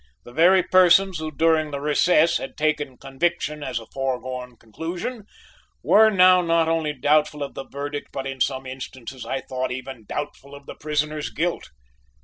The very persons who during the recess had taken conviction as a foregone conclusion were now not only doubtful of the verdict, but in some instances, I thought, even doubtful of the prisoner's guilt.